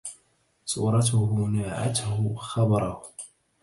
صورته ناعتة خبره